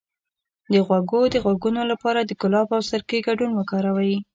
د غوږ د غږونو لپاره د ګلاب او سرکې ګډول وکاروئ